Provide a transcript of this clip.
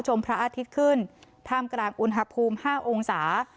พระอาทิตย์ขึ้นท่ามกลางอุณหภูมิ๕องศา